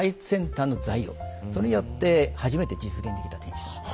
それによって初めて実現できた天守なんです。